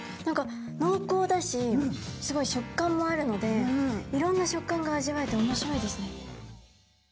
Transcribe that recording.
何かのうこうだしすごい食感もあるのでいろんな食感が味わえておもしろいですね。